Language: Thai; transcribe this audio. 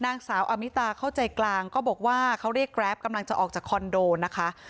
นางสาวอามิตาเข้าใจกลางก็บอกว่าเขาเรียกแกรปกำลังจะออกจากคอนโดนะคะ